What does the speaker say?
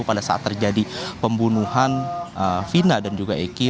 pada saat terjadi pembunuhan vina dan juga eki